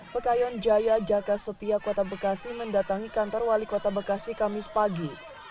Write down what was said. pekayon jaya jaka setia kota bekasi mendatangi kantor wali kota bekasi kamis pagi